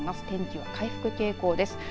天気は回復傾向です。